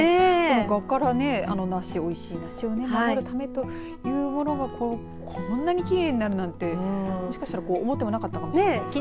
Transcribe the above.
蛾から梨、おいしい梨を守るためというものがこんなにきれいになるなんてもしかしたら思ってもないかもしれないですね。